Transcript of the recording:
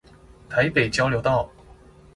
臺北交流道